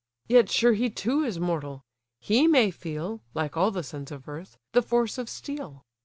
Yet sure he too is mortal; he may feel (Like all the sons of earth) the force of steel.